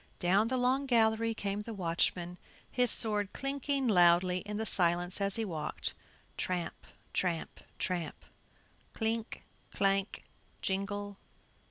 Down the long gallery came the watchman, his sword clinking loudly in the silence as he walked, tramp, tramp, tramp! clink, clank, jingle.